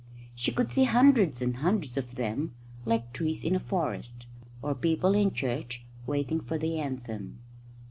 She could see hundreds and hundreds of them, like trees in a forest, or people in church waiting for the anthem.